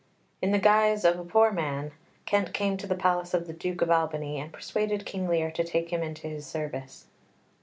In the guise of a poor man, Kent came to the palace of the Duke of Albany, and persuaded King Lear to take him into his service.